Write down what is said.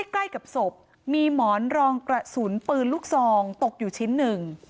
ใกล้กับศพมีหมอนรองกระสุนปืนลูกซองตกอยู่ชิ้นหนึ่ง